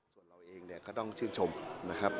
ส่วนเราเองเนี่ยก็ต้องชื่นชมนะครับ